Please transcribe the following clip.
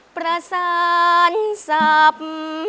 ประสานทรัพย์